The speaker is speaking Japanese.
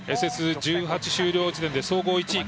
ＳＳ１８終了時点で総合１位。